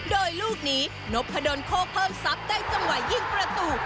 โดยลูกนี้นพดลโคกเพิ่มทรัพย์ได้จังหวะยิงประตู